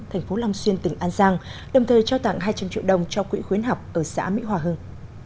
thành phố long xuyên tỉnh an giang đồng thời trao tặng hai trăm linh triệu đồng cho quỹ khuyến học ở xã mỹ hòa hưng